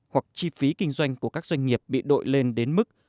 hoặc chi phí kinh doanh của các doanh nghiệp bị đội lên đến mức